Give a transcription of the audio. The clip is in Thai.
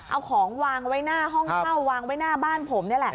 เอาของวางไว้หน้าห้องเว่าโม่วางไว้หน้าบ้านผม